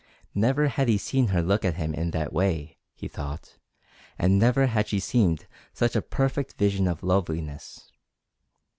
Never had he seen her look at him in that way, he thought, and never had she seemed such a perfect vision of loveliness.